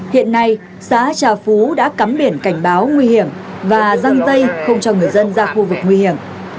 hiện nay xã trà phú đã cắm biển cảnh báo nguy hiểm và răng dây không cho người dân ra khu vực nguy hiểm